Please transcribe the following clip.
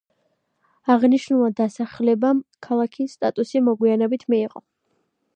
აღნიშნულმა დასახლებამ ქალაქის სტატუსი მოგვიანებით მიიღო.